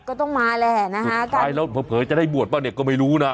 ก็ต้องมาแหละนะฮะตายแล้วเผลอจะได้บวชบ้างเนี่ยก็ไม่รู้นะ